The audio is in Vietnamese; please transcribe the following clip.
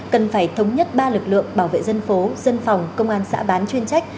cần phải thống nhất ba lực lượng bảo vệ dân phố dân phòng công an xã bán chuyên trách